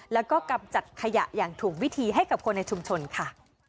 แล้วก็กำจัดขยะอย่างถูกวิธีให้กับคนในชุมชนค่ะ